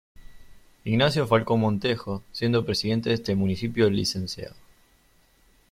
Ignacio Falcón Montejo, siendo presidente de este municipio el Lic.